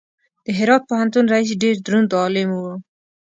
د هرات پوهنتون رئیس ډېر دروند عالم و.